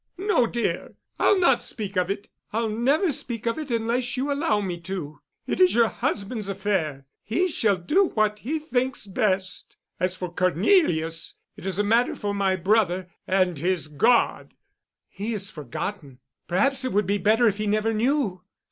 "No, dear. I'll not speak of it. I'll never speak of it unless you allow me to. It is your husband's affair. He shall do what he thinks best. As for Cornelius—it is a matter for my brother—and his God——" "He has forgotten. Perhaps it would be better if he never knew."